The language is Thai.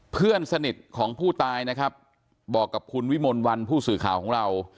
เพื่อนสนิทของผู้ตายนะครับบอกกับคุณวิมลวันผู้สื่อข่าวของเรา